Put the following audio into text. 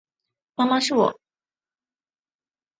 妈妈，是我